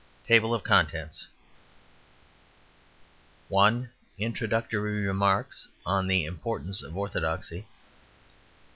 Table of Contents 1. Introductory Remarks on the Importance of Othodoxy 2.